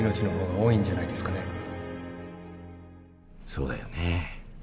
そうだよね。